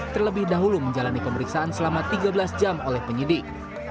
terlebih dahulu menjalani pemeriksaan selama tiga belas jam oleh penyidik